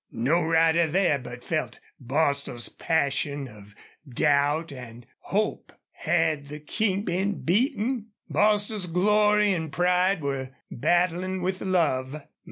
No rider there but felt Bostil's passion of doubt and hope. Had the King been beaten? Bostil's glory and pride were battling with love.